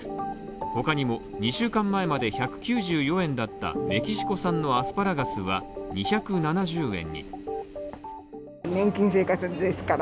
他にも、２週間前まで１９４円だったメキシコ産のアスパラガスは２７０円。